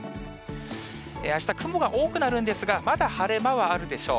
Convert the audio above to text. あした、雲が多くなるんですが、まだ晴れ間はあるでしょう。